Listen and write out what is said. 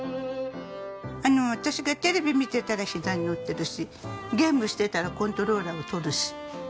私がテレビ見てたらひざにのってるしゲームしてたらコントローラーを取るし。